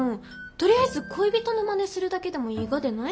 とりあえず恋人のまねするだけでもいいがでない？